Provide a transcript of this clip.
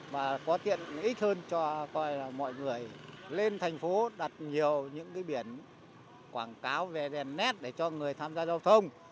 và có tiện ích hơn cho coi là mọi người lên thành phố đặt nhiều những cái biển quảng cáo về đèn nét để cho người tham gia giao thông